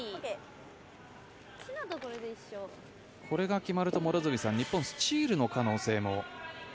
これが決まると日本、スチールの可能性も。